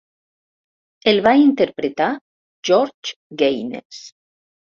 El va interpretar George Gaynes.